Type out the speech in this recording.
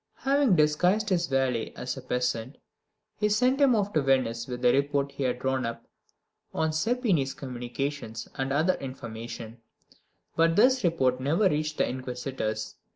Having disguised his valet as a peasant, he sent him off to Venice with the report he had drawn up on Serpini's communications, and other information; but this report never reached the inquisitors.